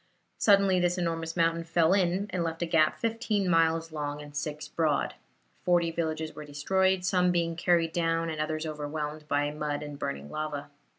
Suddenly this enormous mountain fell in, and left a gap fifteen miles long and six broad. Forty villages were destroyed, some being carried down and others overwhelmed by mud and burning lava.